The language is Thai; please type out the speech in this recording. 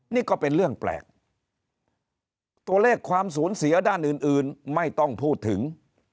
นี่ก็เป็นเรื่องแปลกตัวเลขความสูญเสียด้านอื่นอื่นไม่ต้องพูดถึง